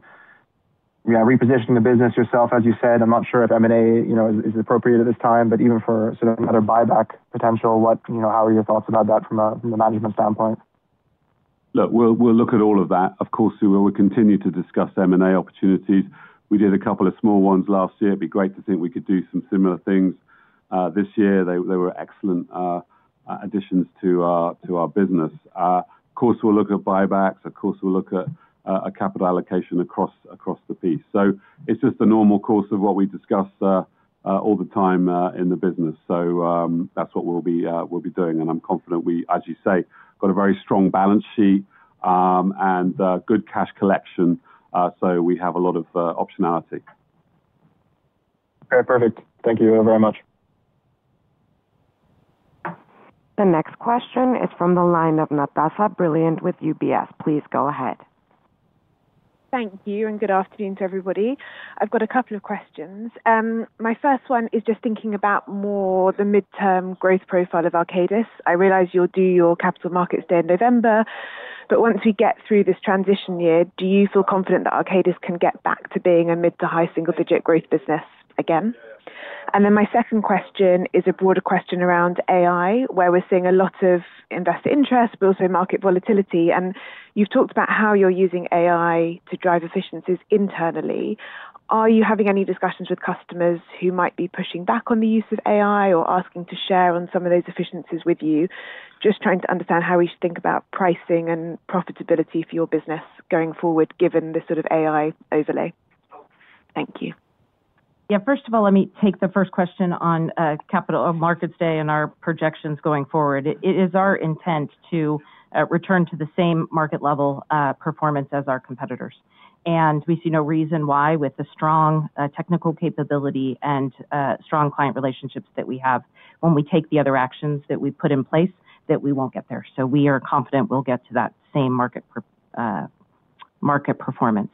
yeah, repositioning the business yourself, as you said. I'm not sure if M&A, you know, is appropriate at this time, but even for sort of another buyback potential, what, you know, how are your thoughts about that from a management standpoint? Look, we'll, we'll look at all of that. Of course, we will continue to discuss M&A opportunities. We did a couple of small ones last year. It'd be great to think we could do some similar things this year. They, they were excellent additions to our, to our business. Of course, we'll look at buybacks. Of course, we'll look at a capital allocation across, across the piece. So it's just a normal course of what we discuss all the time in the business. So, that's what we'll be, we'll be doing, and I'm confident we, as you say, got a very strong balance sheet, and good cash collection, so we have a lot of optionality. Okay, perfect. Thank you very much. The next question is from the line of Natasha Brilliant with UBS. Please go ahead. Thank you, and good afternoon to everybody. I've got a couple of questions. My first one is just thinking about more the midterm growth profile of Arcadis. I realize you'll do your capital markets day in November, but once we get through this transition year, do you feel confident that Arcadis can get back to being a mid to high single-digit growth business again? And then my second question is a broader question around AI, where we're seeing a lot of investor interest, but also market volatility. And you've talked about how you're using AI to drive efficiencies internally. Are you having any discussions with customers who might be pushing back on the use of AI or asking to share on some of those efficiencies with you? Just trying to understand how we should think about pricing and profitability for your business going forward, given the sort of AI overlay. Thank you. Yeah. First of all, let me take the first question on capital markets day and our projections going forward. It is our intent to return to the same market level performance as our competitors. And we see no reason why, with the strong technical capability and strong client relationships that we have when we take the other actions that we've put in place, that we won't get there. So we are confident we'll get to that same market performance.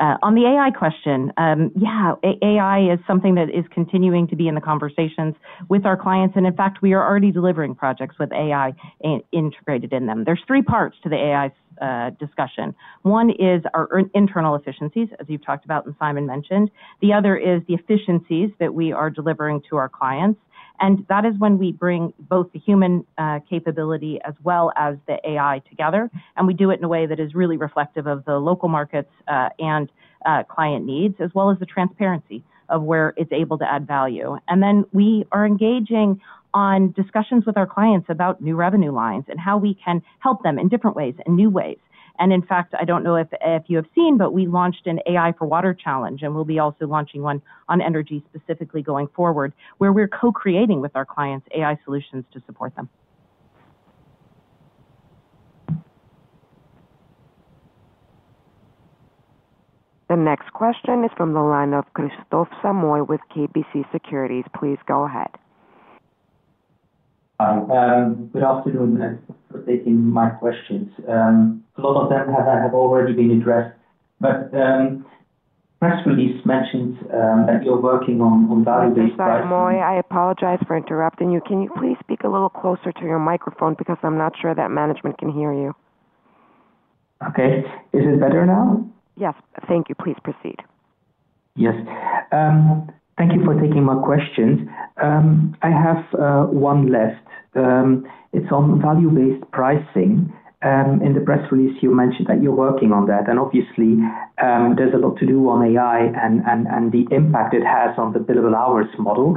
On the AI question, yeah, AI is something that is continuing to be in the conversations with our clients, and in fact, we are already delivering projects with AI integrated in them. There's three parts to the AI discussion. One is our internal efficiencies, as you've talked about and Simon mentioned. The other is the efficiencies that we are delivering to our clients, and that is when we bring both the human capability as well as the AI together, and we do it in a way that is really reflective of the local markets and client needs, as well as the transparency of where it's able to add value. And then we are engaging on discussions with our clients about new revenue lines and how we can help them in different ways and new ways. And in fact, I don't know if you have seen, but we launched an AI for Water challenge, and we'll be also launching one on energy specifically going forward, where we're co-creating with our clients AI solutions to support them. The next question is from the line of Kristof Samoy with KBC Securities. Please go ahead. Hi, good afternoon. Thanks for taking my questions. A lot of them have already been addressed, but press release mentions that you're working on value-based- Sorry, Samoy, I apologize for interrupting you. Can you please speak a little closer to your microphone? Because I'm not sure that management can hear you. Okay. Is it better now? Yes. Thank you. Please proceed.... Yes. Thank you for taking my questions. I have one left. It's on value-based pricing. In the press release, you mentioned that you're working on that, and obviously, there's a lot to do on AI and the impact it has on the billable hours model.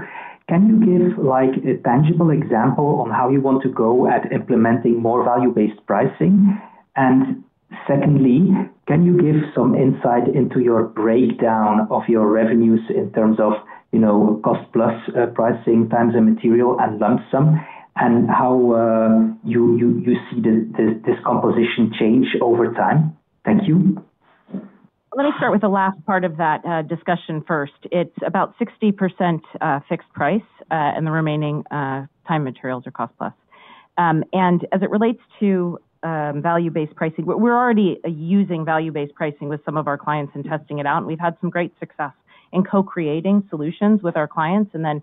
Can you give, like, a tangible example on how you want to go at implementing more value-based pricing? And secondly, can you give some insight into your breakdown of your revenues in terms of, you know, cost plus pricing, times the material and lump sum, and how you see this composition change over time? Thank you. Let me start with the last part of that, discussion first. It's about 60%, fixed price, and the remaining, time materials are cost plus. And as it relates to, value-based pricing, we're already using value-based pricing with some of our clients and testing it out, and we've had some great success in co-creating solutions with our clients and then,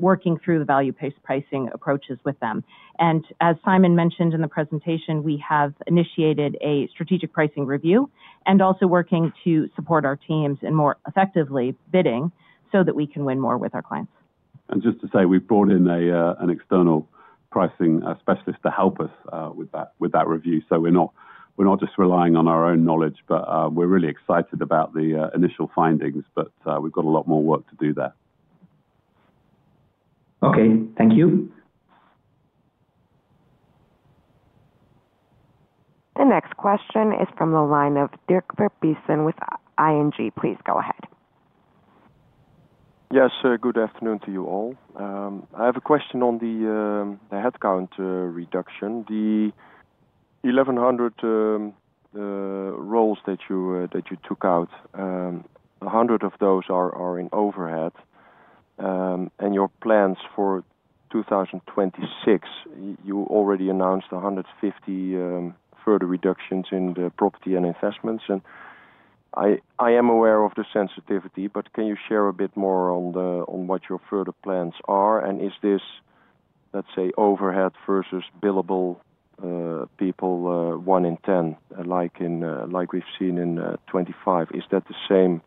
working through the value-based pricing approaches with them. And as Simon mentioned in the presentation, we have initiated a strategic pricing review and also working to support our teams in more effectively bidding so that we can win more with our clients. Just to say, we've brought in an external pricing specialist to help us with that, with that review. So we're not, we're not just relying on our own knowledge, but we're really excited about the initial findings, but we've got a lot more work to do there. Okay, thank you. The next question is from the line of Dirk Verbiest with ING. Please go ahead. Yes, sir. Good afternoon to you all. I have a question on the, the headcount reduction. The 1,100 roles that you, that you took out, 100 of those are, are in overhead, and your plans for 2026, you already announced 100 further reductions in the property and investments. And I, I am aware of the sensitivity, but can you share a bit more on the, on what your further plans are? And is this, let's say, overhead versus billable, people, 1 in 10, like in, like we've seen in, 2025? Is that the same,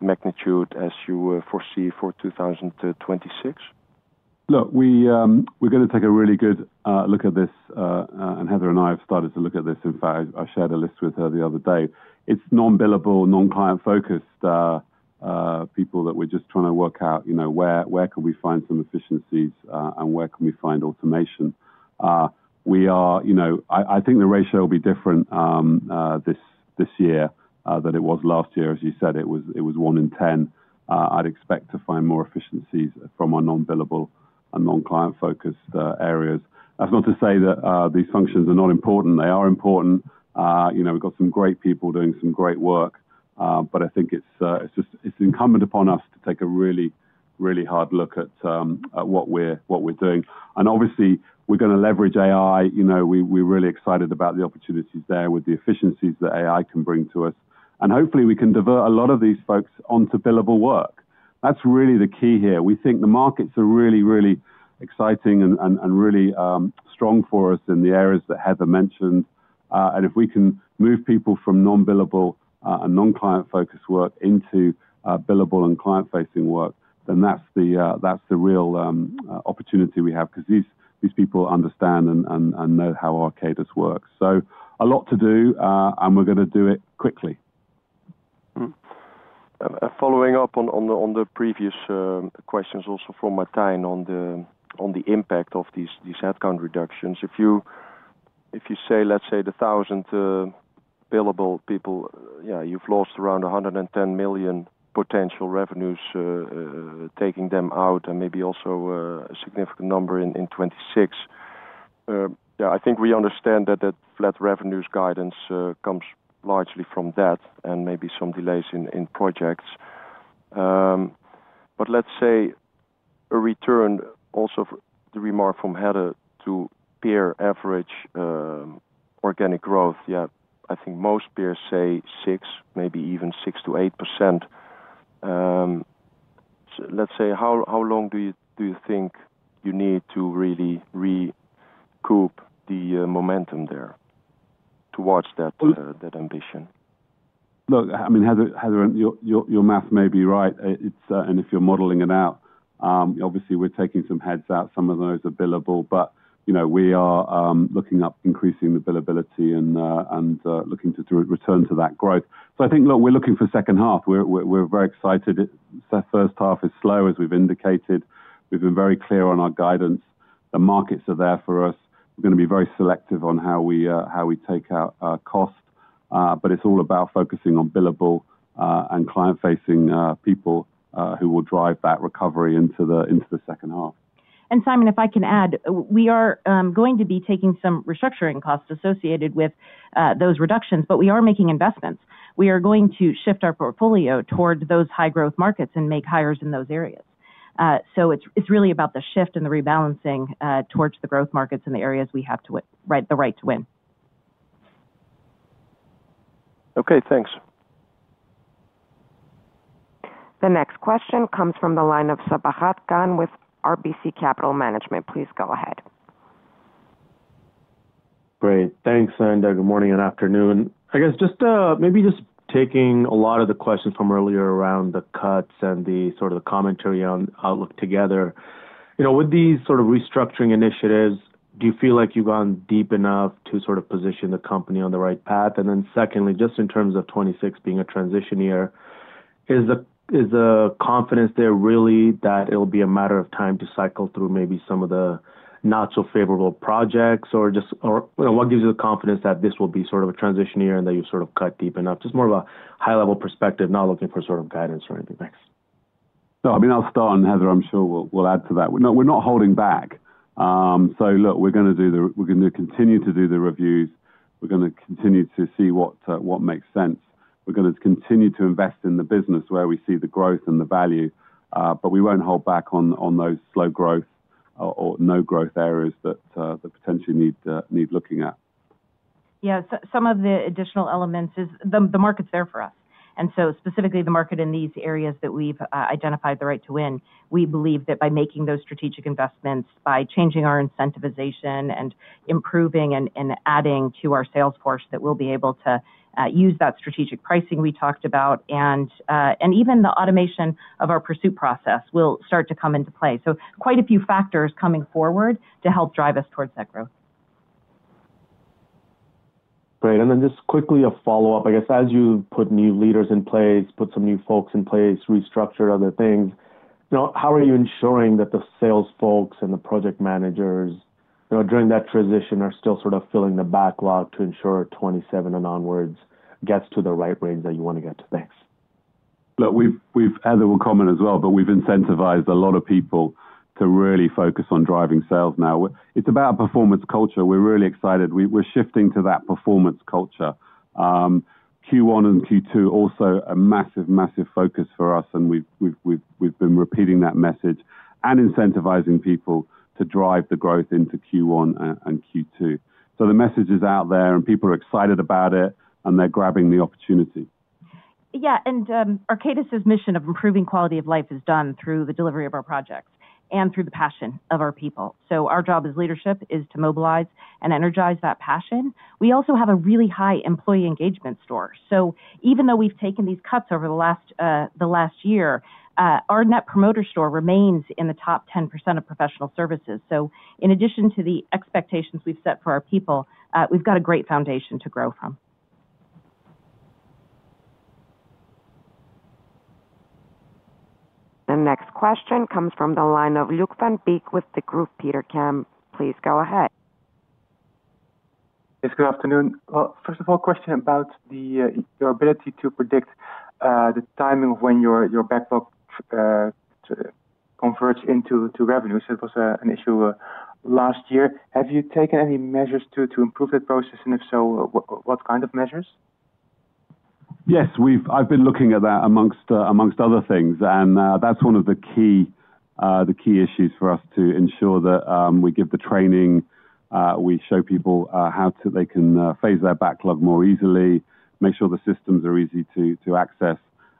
magnitude as you would foresee for 2026? Look, we're gonna take a really good look at this, and Heather and I have started to look at this. In fact, I shared a list with her the other day. It's non-billable, non-client-focused people that we're just trying to work out, you know, where can we find some efficiencies, and where can we find automation? We are, you know, I think the ratio will be different this year than it was last year. As you said, it was one in ten. I'd expect to find more efficiencies from our non-billable and non-client-focused areas. That's not to say that these functions are not important. They are important. You know, we've got some great people doing some great work, but I think it's, it's just, it's incumbent upon us to take a really, really hard look at, at what we're, what we're doing. And obviously, we're gonna leverage AI. You know, we, we're really excited about the opportunities there with the efficiencies that AI can bring to us. And hopefully, we can divert a lot of these folks onto billable work. That's really the key here. We think the markets are really, really exciting and, and, and really, strong for us in the areas that Heather mentioned. And if we can move people from non-billable, and non-client-focused work into, billable and client-facing work, then that's the, that's the real, opportunity we have, because these, these people understand and, and, and know how Arcadis works. A lot to do, and we're gonna do it quickly. Following up on the previous questions also from Martijn on the impact of these headcount reductions. If you say, let's say, 1,000 billable people, yeah, you've lost around 110 million potential revenues, taking them out and maybe also a significant number in 2026. Yeah, I think we understand that the flat revenues guidance comes largely from that and maybe some delays in projects. But let's say a return also to the remark from Heather to peer average organic growth. Yeah, I think most peers say 6%, maybe even 6%-8%. Let's say, how long do you think you need to really recoup the momentum there towards that ambition? Look, I mean, Heather, Heather, your, your, your math may be right. It's, and if you're modeling it out, obviously we're taking some heads out, some of those are billable, but, you know, we are, looking to increase the billability and, and, looking to drive return to that growth. So I think, look, we're looking for second half. We're, we're, we're very excited. The first half is slow, as we've indicated. We've been very clear on our guidance. The markets are there for us. We're gonna be very selective on how we, how we take out our cost, but it's all about focusing on billable, and client-facing, people, who will drive that recovery into the, into the second half. And Simon, if I can add, we are going to be taking some restructuring costs associated with those reductions, but we are making investments. We are going to shift our portfolio towards those high growth markets and make hires in those areas. So it's, it's really about the shift and the rebalancing towards the growth markets in the areas we have the right to win. Okay, thanks. The next question comes from the line of Sabahat Khan with RBC Capital Markets. Please go ahead. Great. Thanks, and, good morning and afternoon. I guess just, maybe just taking a lot of the questions from earlier around the cuts and the sort of the commentary on outlook together. You know, with these sort of restructuring initiatives, do you feel like you've gone deep enough to sort of position the company on the right path? And then secondly, just in terms of 2026 being a transition year, is the, is the confidence there really that it'll be a matter of time to cycle through maybe some of the not so favorable projects, or just, or, you know, what gives you the confidence that this will be sort of a transition year, and that you've sort of cut deep enough? Just more of a high level perspective, not looking for sort of guidance or anything. Thanks. No, I mean, I'll start, and Heather, I'm sure, will add to that. We're not holding back. So look, we're gonna continue to do the reviews. We're gonna continue to see what makes sense. We're gonna continue to invest in the business where we see the growth and the value, but we won't hold back on those slow growth or no growth areas that potentially need looking at. Yeah, so some of the additional elements is the, the market's there for us. And so specifically the market in these areas that we've identified the right to win, we believe that by making those strategic investments, by changing our incentivization and improving and, and adding to our sales force, that we'll be able to use that strategic pricing we talked about. And, and even the automation of our pursuit process will start to come into play. So quite a few factors coming forward to help drive us towards that growth. Great, and then just quickly a follow-up. I guess, as you put new leaders in place, put some new folks in place, restructured other things, you know, how are you ensuring that the sales folks and the project managers, you know, during that transition, are still sort of filling the backlog to ensure 2027 and onwards gets to the right range that you want to get to? Thanks. Look, we've Heather will comment as well, but we've incentivized a lot of people to really focus on driving sales now. We're. It's about performance culture. We're really excited. We're shifting to that performance culture. Q1 and Q2 also a massive, massive focus for us, and we've been repeating that message and incentivizing people to drive the growth into Q1 and Q2. So the message is out there, and people are excited about it, and they're grabbing the opportunity. Yeah, and Arcadis' mission of improving quality of life is done through the delivery of our projects and through the passion of our people. So our job as leadership is to mobilize and energize that passion. We also have a really high employee engagement score. So even though we've taken these cuts over the last year, our Net Promoter Score remains in the top 10% of professional services. So in addition to the expectations we've set for our people, we've got a great foundation to grow from. The next question comes from the line of Luuk Van Beek with Banque Degroof Petercam. Please go ahead. Yes, good afternoon. First of all, question about your ability to predict the timing of when your backlog converts into revenue. So it was an issue last year. Have you taken any measures to improve that process? And if so, what kind of measures? Yes, we've. I've been looking at that among, among other things, and, that's one of the key, the key issues for us to ensure that, we give the training, we show people, how to they can, phase their backlog more easily, make sure the systems are easy to, to access.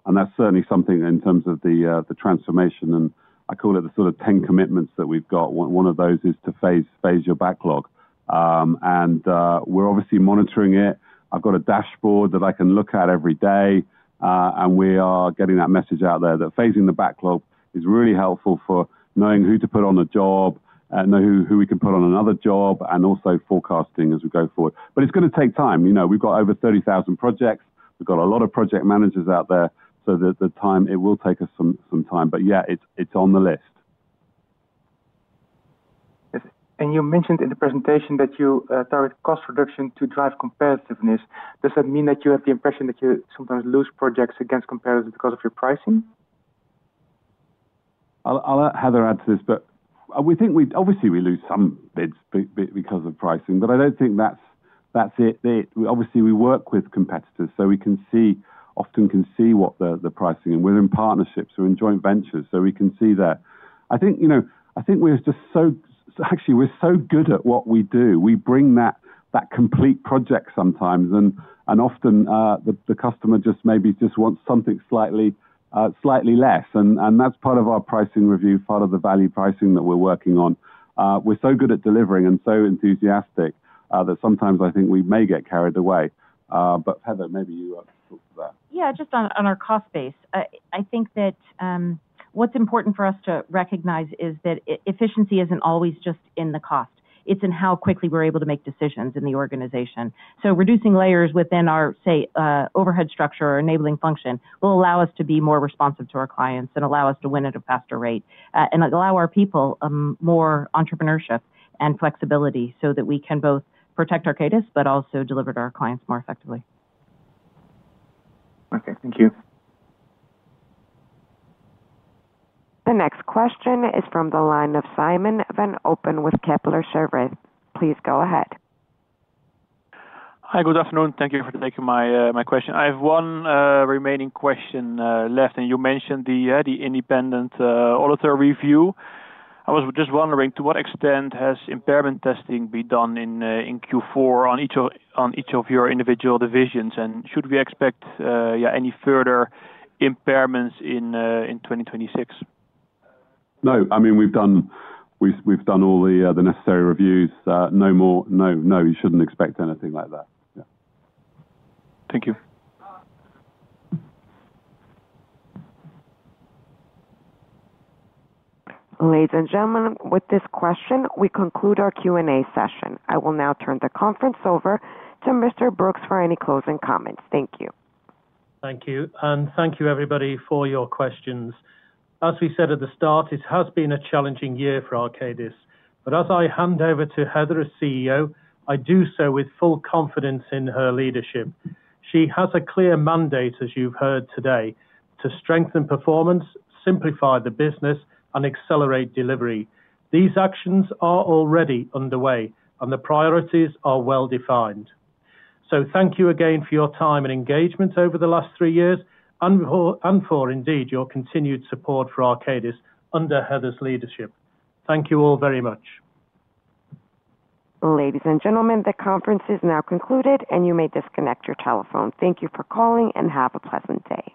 And that's certainly something in terms of the, the transformation, and I call it the sort of 10 commitments that we've got. One, one of those is to phase, phase your backlog. And, we're obviously monitoring it. I've got a dashboard that I can look at every day, and we are getting that message out there, that phasing the backlog is really helpful for knowing who to put on a job and know who, who we can put on another job, and also forecasting as we go forward. But it's gonna take time. You know, we've got over 30,000 projects. We've got a lot of project managers out there, so the time it will take us some time, but yeah, it's on the list. Yes. And you mentioned in the presentation that you target cost reduction to drive competitiveness. Does that mean that you have the impression that you sometimes lose projects against competitors because of your pricing? I'll, Heather add to this, but, we think we-- obviously we lose some bids because of pricing, but I don't think that's it. The... Obviously, we work with competitors, so we can see, often can see what the pricing. And we're in partnerships, we're in joint ventures, so we can see that. I think, you know, I think we're just so-- actually, we're so good at what we do. We bring that complete project sometimes, and often, the customer just maybe just wants something slightly less. And that's part of our pricing review, part of the value pricing that we're working on. We're so good at delivering and so enthusiastic, that sometimes I think we may get carried away. But Heather, maybe you want to talk to that. Yeah, just on our cost base. I think that what's important for us to recognize is that efficiency isn't always just in the cost. It's in how quickly we're able to make decisions in the organization. So reducing layers within our, say, overhead structure or enabling function, will allow us to be more responsive to our clients and allow us to win at a faster rate. And allow our people more entrepreneurship and flexibility, so that we can both protect Arcadis but also deliver to our clients more effectively. Okay. Thank you. The next question is from the line of Simon van Oppen with Kepler Cheuvreux. Please go ahead. Hi, good afternoon. Thank you for taking my question. I have one remaining question left. And you mentioned the independent auditor review. I was just wondering, to what extent has impairment testing been done in Q4 on each of your individual divisions? And should we expect yeah, any further impairments in 2026? No. I mean, we've done all the necessary reviews, no more. No, no, you shouldn't expect anything like that. Yeah. Thank you. Ladies and gentlemen, with this question, we conclude our Q&A session. I will now turn the conference over to Mr. Brookes for any closing comments. Thank you. Thank you. Thank you, everybody, for your questions. As we said at the start, it has been a challenging year for Arcadis. But as I hand over to Heather, as CEO, I do so with full confidence in her leadership. She has a clear mandate, as you've heard today, to strengthen performance, simplify the business, and accelerate delivery. These actions are already underway, and the priorities are well-defined. So thank you again for your time and engagement over the last three years, and for indeed, your continued support for Arcadis under Heather's leadership. Thank you all very much. Ladies and gentlemen, the conference is now concluded, and you may disconnect your telephone. Thank you for calling, and have a pleasant day.